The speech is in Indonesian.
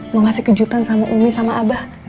mengasih kejutan sama umi sama abah